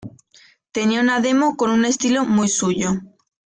Tenía una "demo" con un estilo muy suyo.